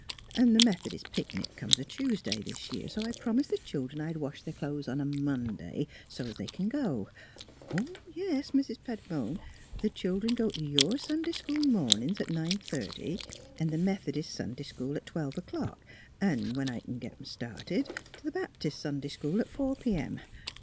An' tli' Metli'dist picnic comes a Tuesday this jea.v, so I promised tlie cMl dern I'd wash their clo'es on a Monday, so's 't they c'n go. Yes, Mis' Pettibone, the childern go t' your Sunday school mornins at nine thirty an' the Meth'dist Sunday school at twelve o'clock an', when I c'n git 'em started, t' the Baptist Sunday school at four p.m.